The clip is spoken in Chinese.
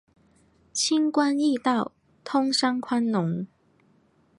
轻关易道，通商宽农